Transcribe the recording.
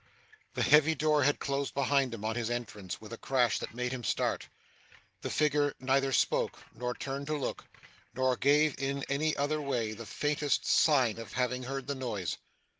The heavy door had closed behind him on his entrance, with a crash that made him start. The figure neither spoke, nor turned to look, nor gave in any other way the faintest sign of having heard the noise.